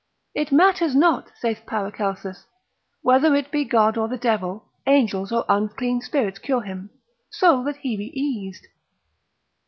It matters not, saith Paracelsus, whether it be God or the devil, angels, or unclean spirits cure him, so that he be eased.